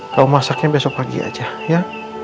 kalau masaknya besok pagi aja ya